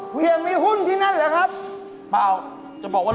เพียงมีหุ้นที่นั้นเหรอครับ